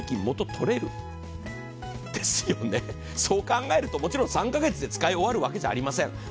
そう考えるともちろん３カ月で使い終わるわけじゃありません。